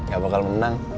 gak bakal menang